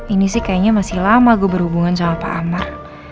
ini sih kayaknya masih lama gue berhubungan sama pak amar